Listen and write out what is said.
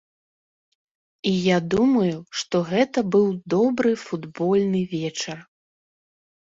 І я думаю, што гэта быў добры футбольны вечар.